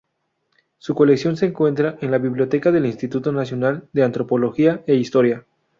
Su colección se encuentra en la Biblioteca del Instituto Nacional de Antropología e Historia.